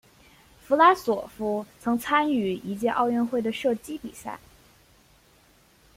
弗拉索夫曾参与一届奥运会的射击比赛。